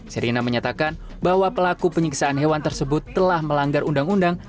serina menyatakan bahwa pelaku penyiksaan hewan tersebut telah melanggar undang undang